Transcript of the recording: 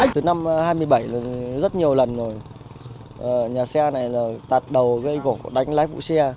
từ năm hai mươi bảy rất nhiều lần rồi nhà xe này là tạt đầu gây gỗ đánh lái phụ xe